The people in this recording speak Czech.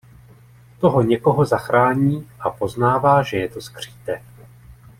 Toho někoho zachrání a poznává že je to skřítek.